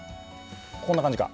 こんな感じか。